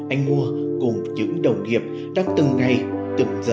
anh mua cùng những đồng nghiệp đang từng ngày từng giờ